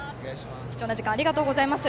貴重な時間ありがとうございます。